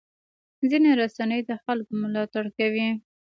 ځینې رسنۍ د خلکو ملاتړ کوي.